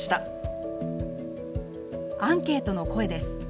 アンケートの声です。